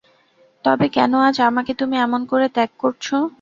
তবে কেন আজ আমাকে তুমি এমন করে ত্যাগ করছ।